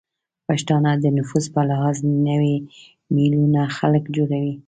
پښتانه د نفوس به لحاظ نوې میلیونه خلک جوړوي